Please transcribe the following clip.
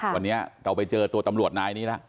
วันนี้เราไปเจอตัวตำรวจนายนี้แล้ว